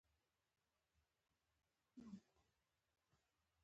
چي ته را په ياد سوې.